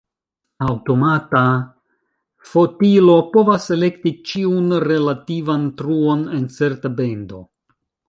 Aŭtomata fotilo povas elekti ĉiun relativan truon en certa bendo.